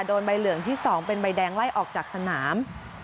ใบเหลืองที่๒เป็นใบแดงไล่ออกจากสนาม